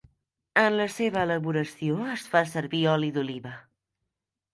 En la seva elaboració es fa servir oli d'oliva.